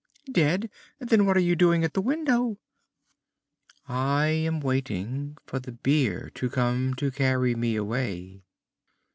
"Dead? Then what are you doing there at the window?" "I am waiting for the bier to come to carry me away."